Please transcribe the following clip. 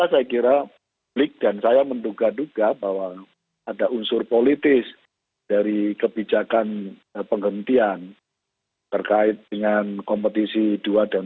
saya kira publik dan saya menduga duga bahwa ada unsur politis dari kebijakan penghentian terkait dengan kompetisi dua dan dua